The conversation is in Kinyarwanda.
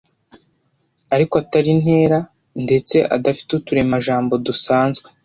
ariko atari ntera ndetse adafite uturemajambo dusanzwe.